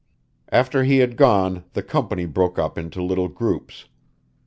After he had gone the company broke up into little groups.